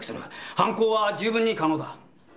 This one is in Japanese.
犯行は十分に可能だ。